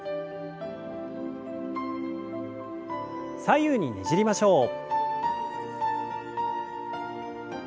左右にねじりましょう。